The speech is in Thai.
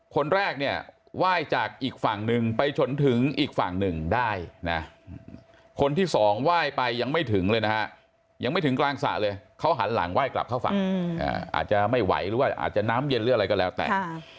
คนแรกเนี่ยไหว้จากอีกฝั่งหนึ่งไปชนถึงอีกฝั่งหนึ่งได้นะคนที่สองไหว้ไปยังไม่ถึงเลยนะฮะยังไม่ถึงกลางสระเลยเขาหันหลังไหว้กลับเข้าฝั่งอาจจะไม่ไหวหรือว่าอาจจะน้ำเย็นหรืออะไรก็แล้วแต่